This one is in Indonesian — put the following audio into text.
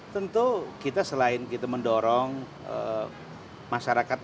tentu kita selain kita mendorong masyarakat